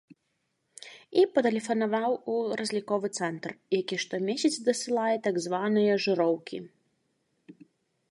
І патэлефанаваў у разліковы цэнтр, які штомесяц дасылае так званыя жыроўкі.